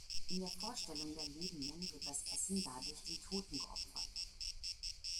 In der Vorstellung der Lebenden wird das Essen dadurch den Toten geopfert.